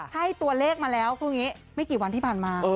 ให้ตัวเลขมาแล้วคืออย่างนี้ไม่กี่วันที่ผ่านมา